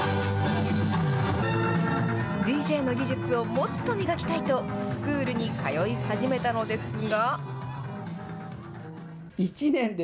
ＤＪの技術をもっと磨きたいと、スクールに通い始めたのですが。